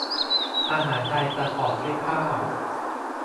อาหารไทยประกอบด้วยข้าว